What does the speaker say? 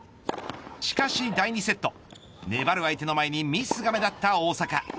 しかし第２セット粘る相手の前にミスが目立った大坂。